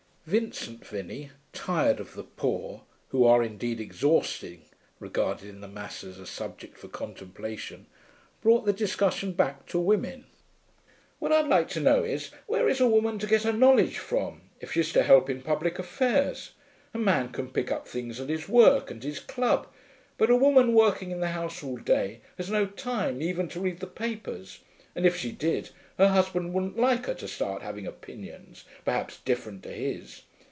Vincent Vinney, tired of the poor, who are indeed exhausting, regarded in the mass as a subject for contemplation, brought the discussion back to women. 'What I'd like to know is, where is a woman to get her knowledge from, if she's to help in public affairs? A man can pick up things at his work and his club, but a woman working in the house all day has no time even to read the papers. And if she did, her husband wouldn't like her to start having opinions, perhaps different to his.